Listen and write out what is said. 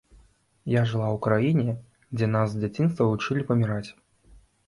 Я жыла ў краіне, дзе нас з дзяцінства вучылі паміраць.